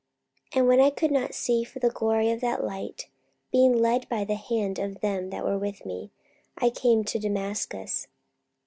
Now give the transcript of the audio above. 44:022:011 And when I could not see for the glory of that light, being led by the hand of them that were with me, I came into Damascus.